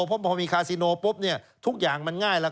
เพราะพอมีคาซิโนทุกอย่างมันง่าย